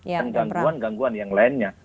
dan gangguan gangguan yang lainnya